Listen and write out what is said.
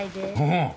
うん。